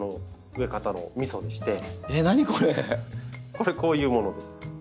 これこういうものです。